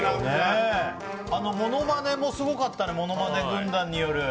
ものまねもすごかったね、ものまね軍団による。